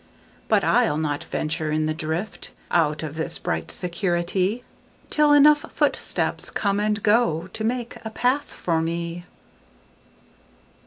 But I'll not venture in the driftOut of this bright security, Till enough footsteps come and goTo make a path for me.